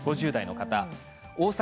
５０代の方です。